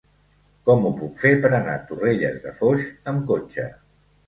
Com ho puc fer per anar a Torrelles de Foix amb cotxe?